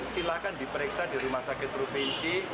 silahkan diperiksa di rumah sakit provinsi